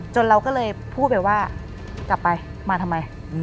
เราก็เลยพูดไปว่ากลับไปมาทำไม